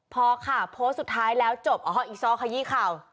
พอค่ะโพสต์สุดท้ายแล้วจบอีซ้อขยี้เข่า